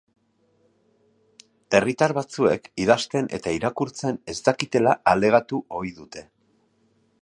Herritar batzuek idazten eta irakurtzen ez dakitela alegatu ohi dute.